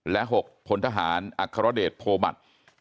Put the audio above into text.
และ๖พลทหารอักษรเดชโภบัตร